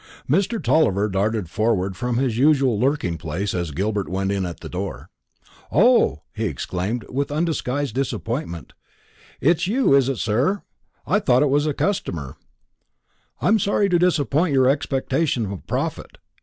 Mr. Tulliver darted forward from his usual lurking place as Gilbert went in at the door. "O!" he exclaimed, with undisguised disappointment, "it's you, is it, sir? I thought it was a customer." "I am sorry to disappoint your expectation of profit.